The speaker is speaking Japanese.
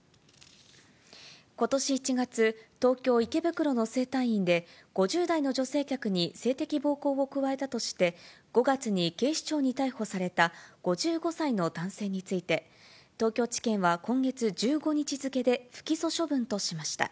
ことし１月、東京・池袋の整体院で５０代の女性客に性的暴行を加えたとして、５月に警視庁に逮捕された５５歳の男性について、東京地検は今月１５日付けで不起訴処分としました。